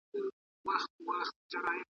ګوندي دی مي برابر د کور پر خوا کړي ,